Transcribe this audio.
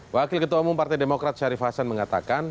wakil ketua umum partai demokrat syarif hasan mengatakan